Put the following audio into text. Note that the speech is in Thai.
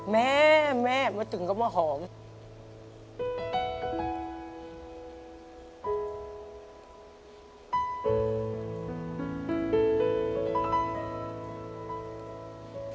แม่แม่มาถึงก็มาหอม